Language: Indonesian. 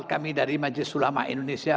kami dari majlis sulamah indonesia